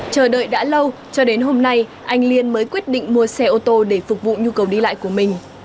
chờ đợi đã lâu cho đến hôm nay anh liên mới quyết định mua xe ô tô để phục vụ nhu cầu đi lại của mình